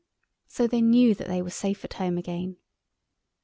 So they knew that they were safe at home again.